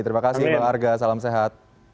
terima kasih bang arga salam sehat